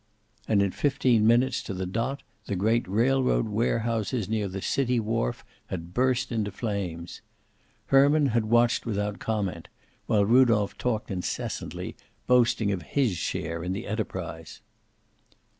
And in fifteen minutes to the dot the great railroad warehouses near the city wharf had burst into flames. Herman had watched without comment, while Rudolph talked incessantly, boasting of his share in the enterprise.